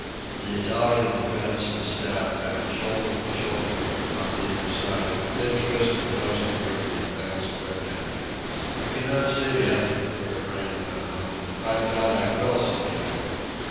The Italian advanced a step, and, shoulder to shoulder, on either side, Kid Twist and Nosey Murphy advanced with him. "I cannot see him," Bert Rhine went on; "but by God I will see him!"